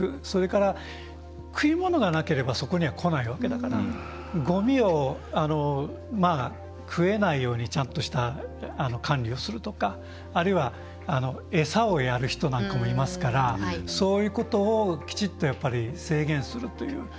それから、食い物がなければそこには来ないわけだからごみを食えないようにちゃんとした管理をするとかあるいは餌をやる人なんかもいますからそういうことをきちっと制限するという。